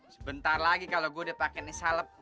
sebentar lagi kalau gue udah pake ini salep